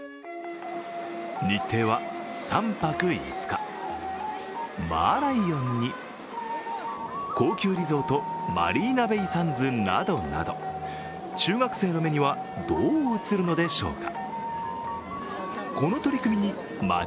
日程は３泊５日、マーライオンに高級リゾート、マリーナベイ・サンズなどなど中学生の目には、どう映るのでしょうか。